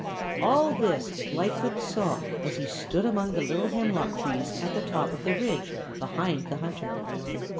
All this Lightfoot saw as he stood among the little hemlock trees at the top of the ridge behind the hunter.